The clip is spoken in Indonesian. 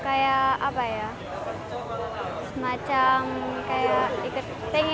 saya ingin menjadi seorang atlet dan mencapai cita cita yang lebih tinggi